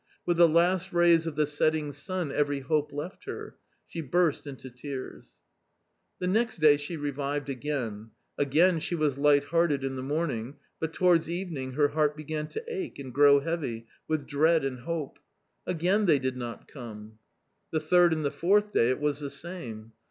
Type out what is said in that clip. With the last rays of the setting sun every hope left her ; she burst into tears. The next day she revived again, again she was light hearted in the morning, but towards evening her heart began to ache and grow heavy with dread and hope. Again they did not come. The third and the fourth day it was the same.